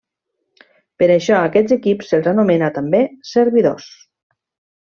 Per això a aquests equips se'ls anomena també servidors.